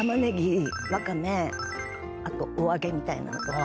あとお揚げみたいなのとか。